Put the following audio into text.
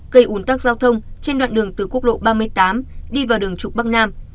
gây ủn tắc giao thông trên đoạn đường từ quốc lộ ba mươi tám đi vào đường trục bắc nam